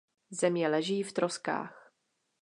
Země leží v troskách.